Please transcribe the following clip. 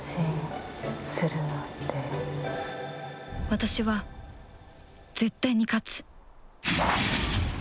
私は絶対に勝つ。